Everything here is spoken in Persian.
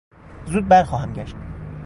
زود برخواهم گشت.